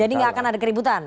jadi tidak akan ada keributan